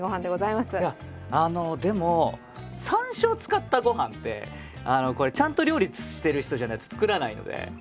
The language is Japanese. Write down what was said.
いやでも山椒を使ったご飯ってちゃんと料理してる人じゃないと作らないので。